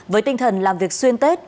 với tinh thần làm việc xuyên tết